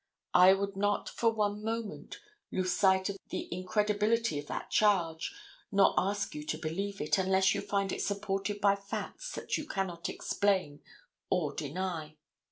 I would not for one moment lose sight of the incredibility of that charge, nor ask you to believe it, unless you find it supported by facts that you cannot explain or deny.